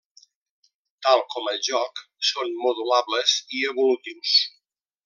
Tal com el joc, són modulables i evolutius.